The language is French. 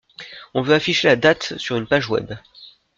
On veut afficher la date sur une page web.